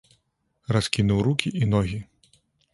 Раскінуў рукі і ногі.